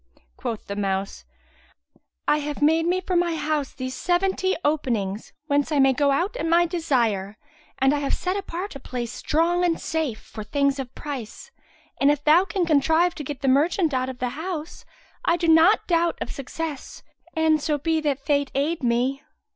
Quoth the mouse, "I have made me for my house these seventy openings, whence I may go out at my desire, and I have set apart a place strong and safe, for things of price; and if thou can contrive to get the merchant out of the house, I doubt not of success, an so be that Fate aid me."